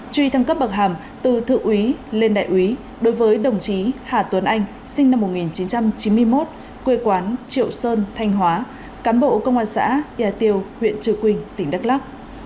truy thăng cấp bậc hàm từ thượng úy lên đại úy đối với đồng chí hà tuấn anh sinh năm một nghìn chín trăm chín mươi một quê quán triệu sơn thanh hóa cán bộ công an xã yà tiêu huyện trư quynh tỉnh đắk lắc